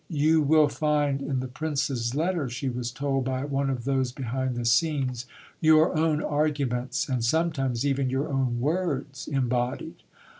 "You will find in the Prince's letter," she was told by one of those behind the scenes, "your own arguments and sometimes even your own words embodied."